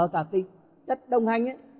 các cái chất đồng hành